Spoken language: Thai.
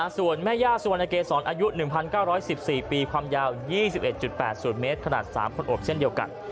ส่วนแม่ย่าสุวรรณเกษรอายุ๑๙๑๔ปีความยาว๒๑๘๐เมตรขนาด๓คนอบเช่นเดียวกัน